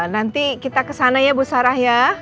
nanti kita kesana ya bu sarah ya